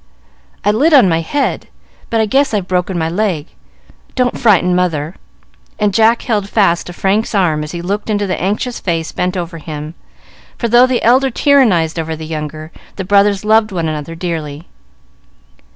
"I lit on my head, but I guess I've broken my leg. Don't frighten mother," and Jack held fast to Frank's arm as he looked into the anxious face bent over him; for, though the elder tyrannized over the younger, the brothers loved one another dearly.